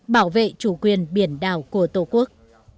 bảo vệ chủ quyền biển đảo của tổ quốc